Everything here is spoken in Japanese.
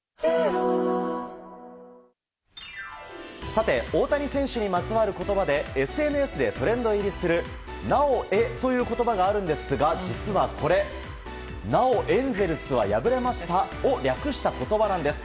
さて大谷選手にまつわる言葉でＳＮＳでトレンド入りする「なおエ」という言葉があるんですが実はこれなおエンゼルスは敗れましたを略した言葉なんです。